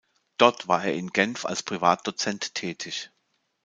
Dort war er in Genf als Privatdozent tätig.